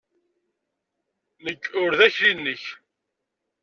Nekk ur d akli-nnek!